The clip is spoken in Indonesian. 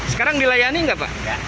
sekarang dilayani enggak pak